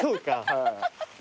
はい。